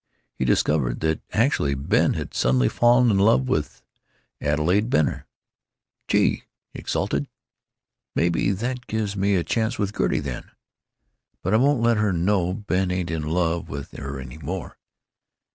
He discovered that, actually, Ben had suddenly fallen in love with Adelaide Benner. "Gee!" he exulted. "Maybe that gives me a chance with Gertie, then. But I won't let her know Ben ain't in love with her any more.